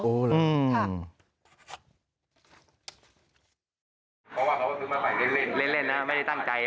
เพราะว่าเขาก็ซื้อมาใหม่เล่นนะไม่ได้ตั้งใจ